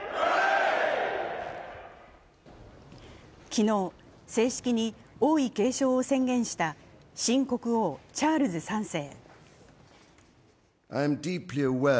昨日、正式に王位継承を宣言した新国王チャールズ３世。